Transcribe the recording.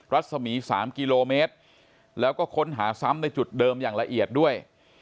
รัศมี๓กิโลเมตรแล้วก็ค้นหาซ้ำในจุดเดิมอย่างละเอียดด้วย